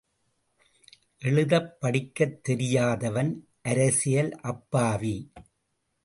எழுதப் படிக்கத் தெரியாதவன், அரசியல் அப்பாவி.